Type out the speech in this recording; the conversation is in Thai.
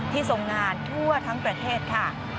ทรงงานทั่วทั้งประเทศค่ะ